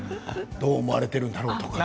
どう思われているんだろうとか。